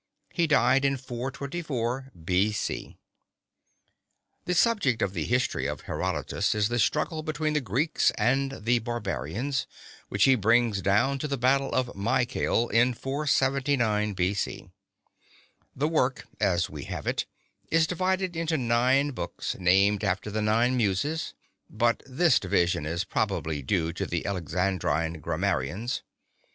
He died in 424 B. C. The subject of the history of Herodotus is the struggle between the Greeks and the barbarians, which he brings down to the battle of Mycale in 479 B. C. The work, as we have it, is divided into nine books, named after the nine Muses, but this division is probably due to the Alexandrine grammarians.